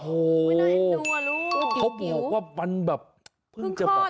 โอ้โหน่าอยากดูอ่ะรู้